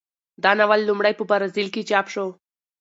دا ناول لومړی په برازیل کې چاپ شو.